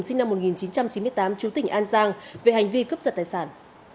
sinh năm một nghìn chín trăm chín mươi tám chú tỉnh an giang về hành vi cướp giật tài sản